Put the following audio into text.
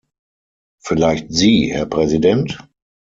Vielleicht Sie, Herr Präsident?